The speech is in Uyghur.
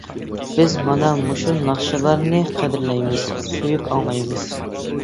بىز مانا مۇشۇ ناخشىلارنى قەدىرلەيمىز، سۆيۈپ ئاڭلايمىز.